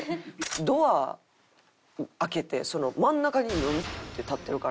ドア開けて真ん中にヌンって立ってるから。